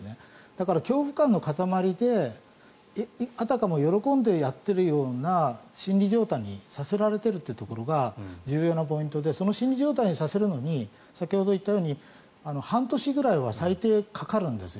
だから恐怖感の塊であたかも喜んでやってるような心理状態にさせられているというところが重要なポイントでその心理状態にさせるのに先ほど言ったように半年ぐらいは最低かかるんです。